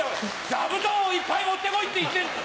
座布団をいっぱい持ってこいって言ってんだ。